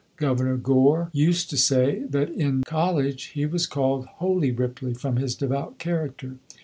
Governor Gore used to say that in college he was called "Holy Ripley," from his devout character.